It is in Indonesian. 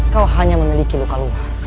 kamu akan menemukan itu dari saya